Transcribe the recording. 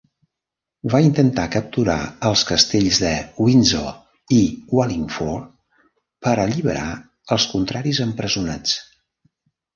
Va intentar capturar els castells de Windsor i Wallingford per alliberar els contraris empresonats.